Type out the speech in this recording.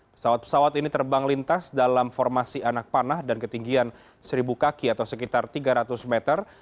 pesawat pesawat ini terbang lintas dalam formasi anak panah dan ketinggian seribu kaki atau sekitar tiga ratus meter